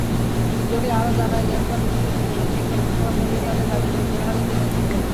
সূত্রটি আরও জানায়, এরপর পুলিশের দুই সদস্য হাতকড়া পরিয়ে তাঁদের গাজীপুর জেলহাজতে নেন।